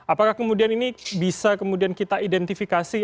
apakah kemudian ini bisa kemudian kita identifikasi